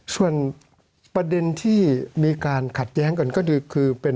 สวัสดีครับทุกคน